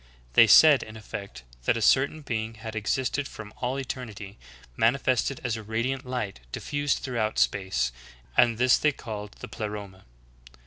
They said in effect that a certain being had existed from all eternity, manifested as a radiant light diffused throughout space, and this they called the Pleroma.